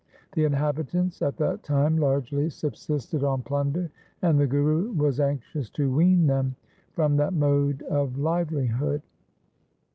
The inhabitants at that time largely subsisted on plunder, and the Guru was anxious to wean them from that mode of livelihood.